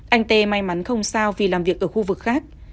anh tê may mắn không sao vì làm việc ở khu vực khác